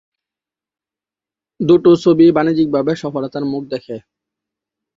দু'টো ছবিই বাণিজ্যিকভাবে সফলতার মুখ দেখে।